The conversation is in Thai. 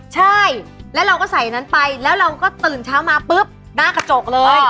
ใช่แล้วเราก็ใส่อันนั้นไปแล้วเราก็ตื่นเช้ามาปุ๊บหน้ากระจกเลย